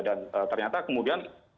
dan ternyata kemudian